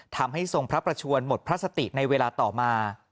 ทำให้ทรงพระประชวนหมดพระสติในเวลาต่อมา